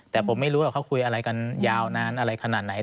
แต่ผมไม่รู้หรอกเขาคุยอะไรกันยาวนานอะไรขนาดไหน